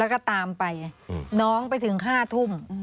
แล้วก็ตามไปน้องไปถึง๕ทุ่ม